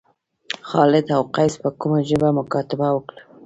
خالد او قیس په کومه ژبه مکاتبه وکړه.